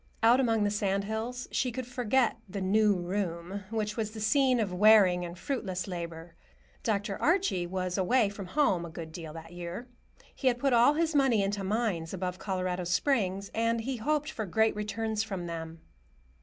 Out among the sand hills she could forget the "new room" which was the scene of wearing and fruitless labor. Dr. Archie was away from home a good deal that year. He had put all his money into mines above Colorado Springs, and he hoped for great returns from them.